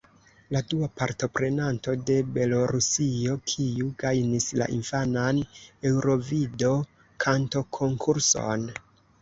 La dua partoprenanto de Belorusio, kiu gajnis la infanan Eŭrovido-Kantokonkurson.